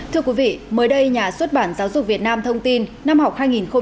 thưa quý vị mới đây nhà xuất bản giáo dục việt nam thông tin năm học hai nghìn hai mươi hai hai nghìn hai mươi ba